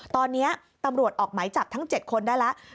ตอนนี้ตำรวจออกหมายจับทั้ง๗คนได้แล้ว